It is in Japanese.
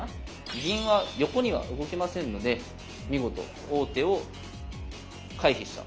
銀は横には動けませんので見事王手を回避した。